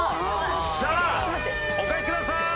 さあお書きくださーい！